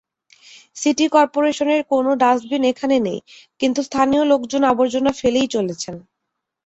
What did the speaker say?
City করপোরেশনের কোনো dustbin এখানে নেই, কিন্তু স্থানীয় লোকজন আবর্জনা ফেলেই চলেছেন।